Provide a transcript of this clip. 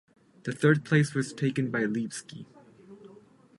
The third place was taken by Levski.